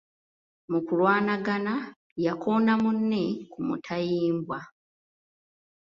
Mu kulwanagana yakoona munne ku mutayimbwa.